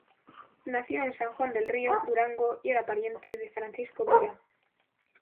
Nació en San Juan del Río, Durango, y era pariente de Francisco Villa.